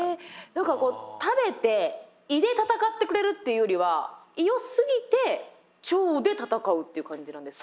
何かこう食べて胃で戦ってくれるっていうよりは胃を過ぎて腸で戦うっていう感じなんですか？